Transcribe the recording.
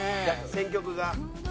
選曲が。